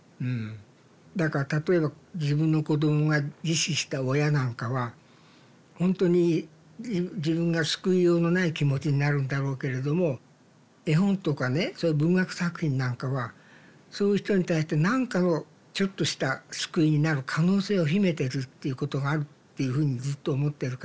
だから例えば自分の子供が自死した親なんかはほんとに自分が救いようのない気持ちになるんだろうけれども絵本とかねそういう文学作品なんかはそういう人に対して何かをちょっとした救いになる可能性を秘めてるっていうことがあるっていうふうにずっと思ってるから。